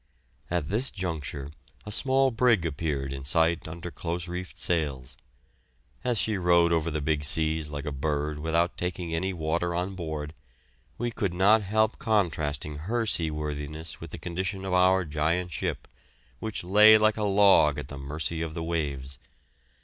At this juncture a small brig appeared in sight under close reefed sails. As she rode over the big seas like a bird without taking any water on board, we could not help contrasting her seaworthiness with the condition of our giant ship, which lay like a log at the mercy of the waves.